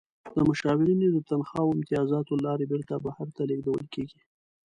د مشاورینو د تنخواوو او امتیازاتو له لارې بیرته بهر ته لیږدول کیږي.